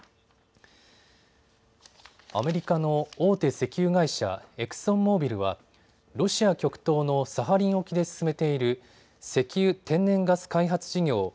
アメリカの大手石油会社、エクソンモービルはロシア極東のサハリン沖で進めている石油・天然ガス開発事業